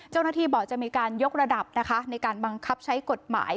เจ้าหน้าที่บอกจะมีการยกระดับนะคะในการบังคับใช้กฎหมาย